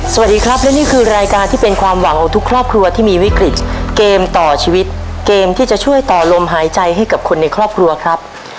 สวัสดีครับและนี่คือรายการที่เป็นความหวังของทุกครอบครัวที่มีวิกฤตเกมต่อชีวิตเกมที่จะช่วยต่อลมหายใจให้กับคนในครอบครัวครับ